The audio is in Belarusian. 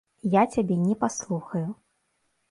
Я цябе не паслухаю.